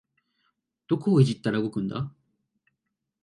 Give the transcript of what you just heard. どこをいじったら動くんだ